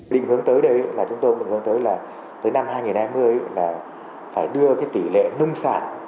định hướng tới đây là chúng tôi muốn hướng tới là tới năm hai nghìn hai mươi là phải đưa tỷ lệ nông sản